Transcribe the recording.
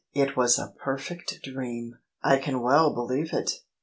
It was a perfect dream !"" I can well believe it!